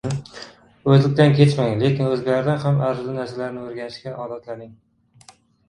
O‘zlikdan kechmang, lekin o‘zgalardan ham arzirli narsalarni o‘rganishga odatlaning.